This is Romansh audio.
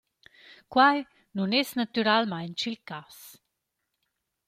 Quai nun es natüralmaing il cas.